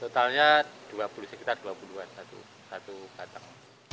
totalnya sekitar dua puluh an satu satu katang